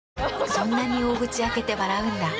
そんなに大口開けて笑うんだ。